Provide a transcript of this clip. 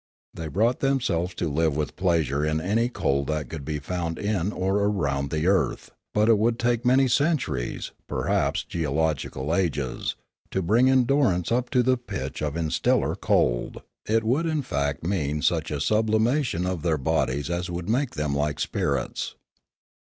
They brought themselves to live with pleasure in any cold that could be found in or around the earth; but it would take many centuries, perhaps geological ages, to bring endurance up to the pitch of interstellar cold; it Discoveries 33 l would in fact mean such a sublimation of their bodies as would make them like spirits.